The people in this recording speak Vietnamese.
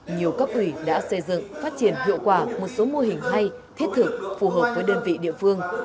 nhiều cấp ủy đã xây dựng phát triển hiệu quả một số mô hình hay thiết thực phù hợp với đơn vị địa phương